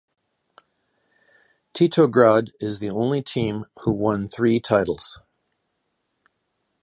Titograd is the only team who won three titles.